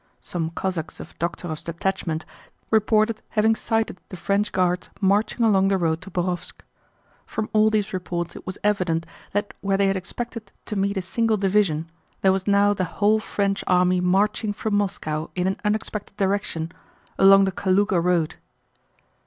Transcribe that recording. Some Cossacks of Dokhtúrov's detachment reported having sighted the French Guards marching along the road to Bórovsk. From all these reports it was evident that where they had expected to meet a single division there was now the whole French army marching from Moscow in an unexpected direction—along the Kalúga road.